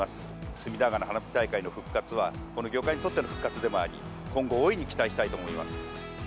隅田川の花火大会の復活は、この業界にとっての復活でもあり、今後、大いに期待したいと思います。